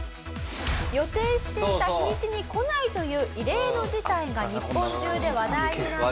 予定していた日にちに来ないという異例の事態が日本中で話題になり。